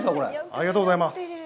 ありがとうございます。